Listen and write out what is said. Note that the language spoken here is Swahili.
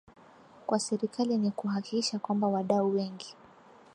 kwa serikali ni kuhakikisha kwamba wadau wengi